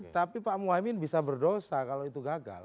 tapi pak muhaymin bisa berdosa kalau itu gagal